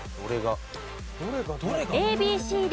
ＡＢＣＤ